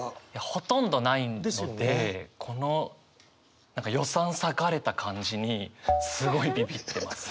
ほとんどないのでこの予算割かれた感じにすごいびびってます。